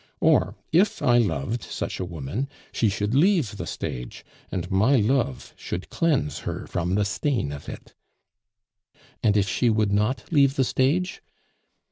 Or if I loved such a woman, she should leave the stage, and my love should cleanse her from the stain of it." "And if she would not leave the stage?"